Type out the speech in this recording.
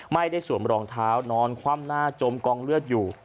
สวมรองเท้านอนคว่ำหน้าจมกองเลือดอยู่